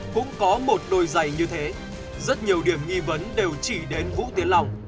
cũng có một đôi giày như thế rất nhiều điểm nghi vấn đều chỉ đến vũ tiến lòng